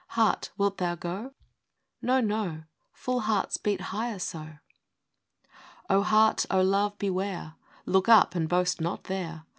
Heart, wilt thou go ?—" No, no ! Full hearts beat higher so." VII. O Heart, O Love, beware ! Look up, and boast not there.